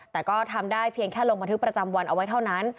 แต่ก็ทำได้เพียงแค่ลงบันทึกประจำวันเอาไว้เท่านั้น